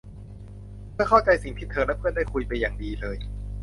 เธอเข้าใจสิ่งที่เธอและเพื่อนได้คุยไปอย่างดีเลย